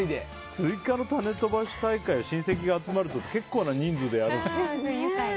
スイカの種飛ばし大会は親戚が集まる時結構な人数でやるんですね。